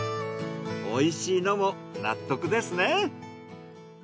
おいしいのも納得ですね。